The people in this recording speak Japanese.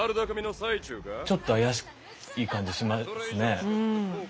ちょっと怪しい感じしますね。